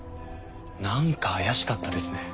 なんか怪しかったですね。